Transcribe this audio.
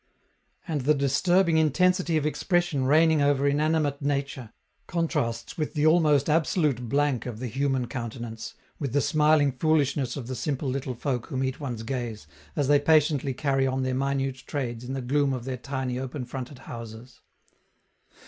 And the disturbing intensity of expression reigning over inanimate nature, contrasts with the almost absolute blank of the human countenance, with the smiling foolishness of the simple little folk who meet one's gaze, as they patiently carry on their minute trades in the gloom of their tiny open fronted houses.